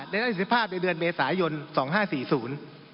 ได้สิบภาพในเดือนเมษายนสองห้าสี่ศูนย์